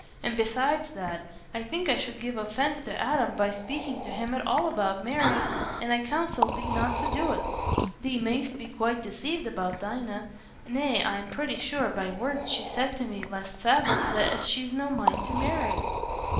And besides that, I think I should give offence to Adam by speaking to him at all about marrying; and I counsel thee not to do't. Thee may'st be quite deceived about Dinah. Nay, I'm pretty sure, by words she said to me last Sabbath, as she's no mind to marry."